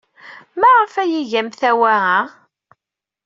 Maɣef ay iga amtawa-a?